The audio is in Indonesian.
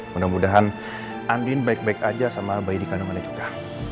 mudah mudahan andin baik baik aja sama bayi di kandungannya juga